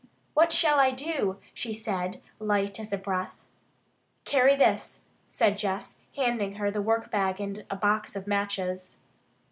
"What shall I do?" she said, light as a breath. "Carry this," said Jess, handing her the workbag and a box of matches.